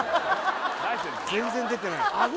全然出てないああ